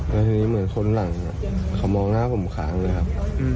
แล้วทีนี้เหมือนคนหลังเขามองหน้าผมค้างเลยครับ